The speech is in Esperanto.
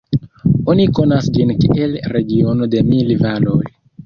Oni konas ĝin kiel regiono de mil valoj.